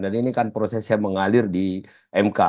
dan ini kan prosesnya mengalir di mk